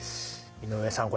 井上さん